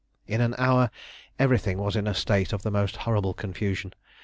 In an hour everything was in a state of the most horrible confusion.